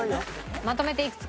まとめていくつか。